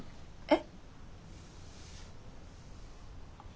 えっ。